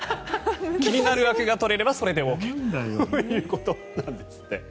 気になるあくが取れればそれでＯＫということなんですって。